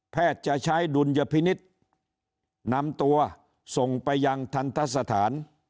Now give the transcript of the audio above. จะใช้ดุลยพินิษฐ์นำตัวส่งไปยังทันทะสถาน